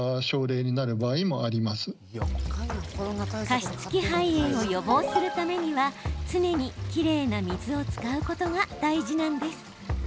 加湿器肺炎を予防するためには常にきれいな水を使うことが大事なんです。